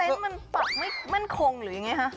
เต็ตท์มันปลับไม่มั่นคงหรือยังไงครับ